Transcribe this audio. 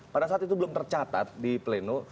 pada saat itu belum tercatat di pleno